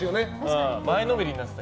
前のめりになってた。